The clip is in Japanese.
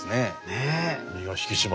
ねえ。